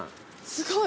すごい。